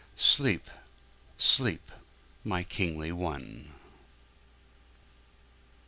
Sleep, sleep, my kingly One!